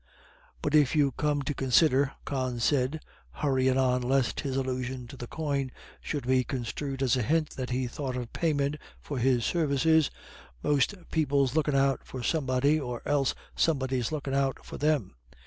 But if you come to considher," Con said, hurrying on lest his allusion to the coin should be construed as a hint that he thought of payment for his services, "most people's lookin' out for somebody, or else somebody's lookin' out for them.